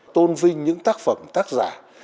tôn vinh những tác phẩm tác giả